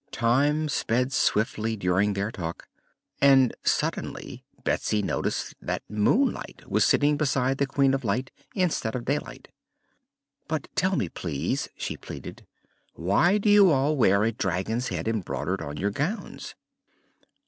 Time sped swiftly during their talk and suddenly Betsy noticed that Moonlight was sitting beside the Queen of Light, instead of Daylight. "But tell me, please," she pleaded, "why do you all wear a dragon's head embroidered on your gowns?"